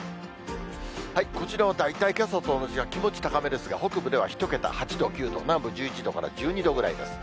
こちらは大体けさと同じか、気持ち高めですが、北部では１桁、８度、９度、南部１１度から１２度ぐらいです。